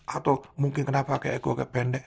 atau mungkin kenapa aku agak pendek